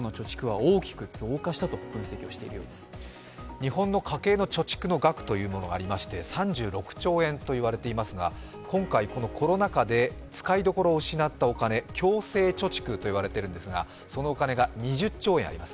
日本の家計の貯蓄の額が３６兆円と言われていますが今回、コロナ禍で使いどころを失ったお金、強制貯蓄といわれているんですが、そのお金が２０兆円あります。